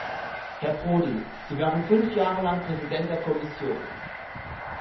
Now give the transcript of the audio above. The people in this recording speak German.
Herr Prodi, Sie waren fünf Jahre lang Präsident der Kommission.